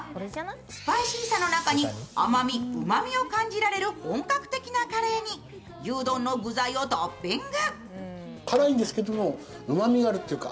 スパイシーさの中に甘み、うまみを感じられる本格的なカレーに牛丼の具材をトッピング。